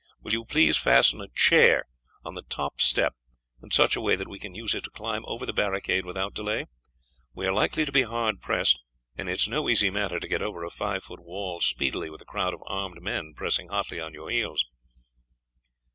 Will you please fasten a chair on the top step in such a way that we can use it to climb over the barricade without delay? We are like to be hard pressed, and it is no easy matter to get over a five foot wall speedily with a crowd of armed men pressing hotly on your heels."